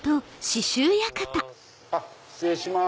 失礼します。